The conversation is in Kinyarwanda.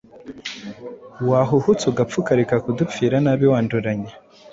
wahuhutse ugapfa ukareka kudupfira nabi wanduranya!